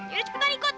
ya udah cepetan ikut